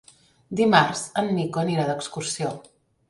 Dimarts en Nico anirà d'excursió.